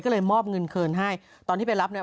ก็เลยมอบเงินคืนให้ตอนที่ไปรับเนี่ย